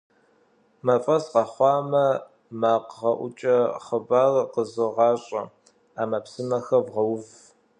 Мафӏэс къэхъуамэ, макъгъэӏукӏэ хъыбар къозыгъащӏэ ӏэмэпсымэхэр вгъэув! .